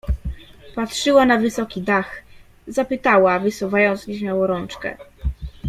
Patrzyła na wysoki dach, zapytała wysuwając nieśmiało rączkę.